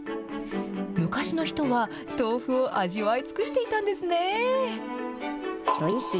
昔の人は、豆腐を味わい尽くしていたんですね。